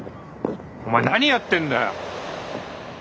お前何やってんだよ！